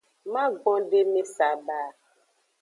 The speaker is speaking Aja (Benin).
Magbondeme saba.